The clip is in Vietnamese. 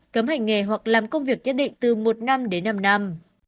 cấm hành nghề hoặc làm công việc nhất định từ một năm đến năm năm